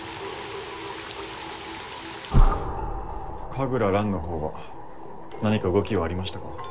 神楽蘭の方は何か動きはありましたか？